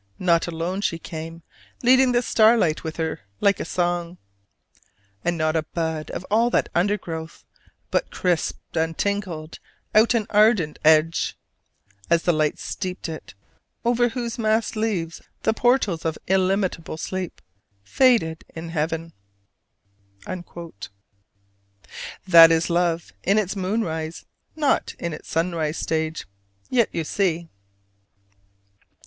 Not alone she came Leading the starlight with her like a song: And not a bud of all that undergrowth But crisped and tingled out an ardent edge As the light steeped it: over whose massed leaves The portals of illimitable sleep Faded in heaven." That is love in its moonrise, not its sunrise stage: yet you see.